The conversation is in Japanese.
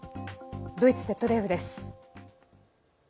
ドイツＺＤＦです。